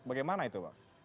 bagaimana itu bang